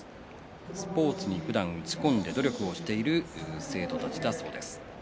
スポーツにふだん打ち込んで努力をしている生徒たちだそうです。